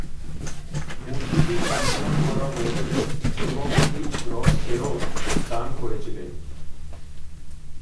মূর্তিটি কমিশন করা হয়েছিল এবং এইচ. রস পেরট দান করেছিলেন।